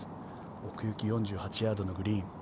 奥行き４８ヤードのグリーン。